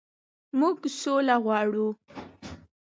موږ سوله غواړو.